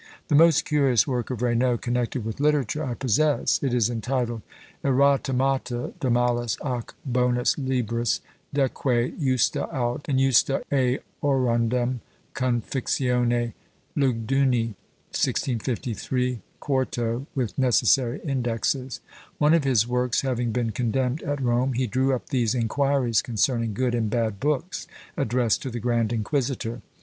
The most curious work of Raynaud connected with literature, I possess; it is entitled Erotemata de malis ac bonis Libris, deque justa aut injusta eorundem confixione. Lugduni, 1653, 4to, with necessary indexes. One of his works having been condemned at Rome, he drew up these inquiries concerning good and bad books, addressed to the grand inquisitor.